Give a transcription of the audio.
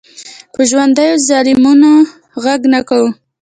په ژوندیو ظالمانو غږ نه کوو.